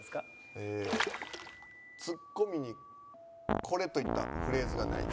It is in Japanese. えー「ツッコミにこれと言ったフレーズがない」。